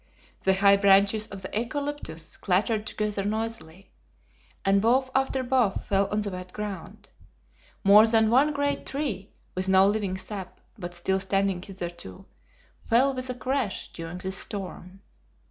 The high branches of the eucalyptus clattered together noisily, and bough after bough fell on the wet ground. More than one great tree, with no living sap, but still standing hitherto, fell with a crash during this storm.